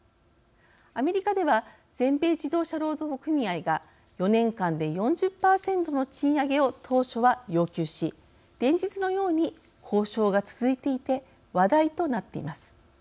アメリカでは全米自動車労働組合が４年間で４０％の賃上げを当初は要求し連日のように交渉が続いていて話題となっています。